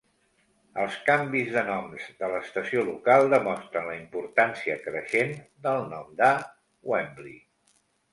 Els canvis de noms de l'estació local demostren la importància creixent del nom de 'Wembley'.